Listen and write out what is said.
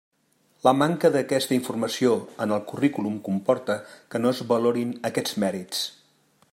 La manca d'aquesta informació en el currículum comporta que no es valorin aquests mèrits.